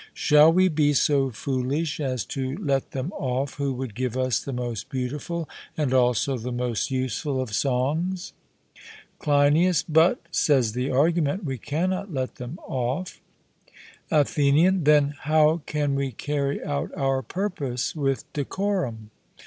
Shall we be so foolish as to let them off who would give us the most beautiful and also the most useful of songs? CLEINIAS: But, says the argument, we cannot let them off. ATHENIAN: Then how can we carry out our purpose with decorum?